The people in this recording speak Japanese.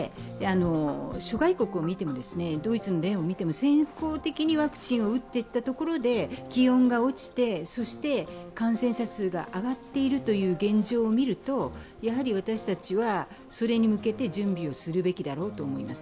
諸外国、ドイツの例を見ても、先行的にワクチンを打っていったところで、気温が落ちてそして感染者数が上がっているという現状を見ると私たちはそれに向けて準備をするべきだろうと思います。